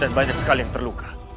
dan banyak sekali yang terluka